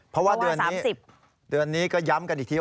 เพราะว่าเดือนนี้ก็ย้ำกันอีกที